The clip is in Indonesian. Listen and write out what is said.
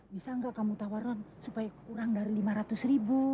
bisa nggak kamu tawarkan supaya kurang dari lima ratus ribu